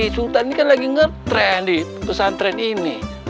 sultan ini kan lagi ngetrend di pesantren ini